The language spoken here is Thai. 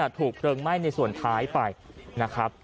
ถูกเพลิงไหม้ในส่วนท้ายไปนะครับ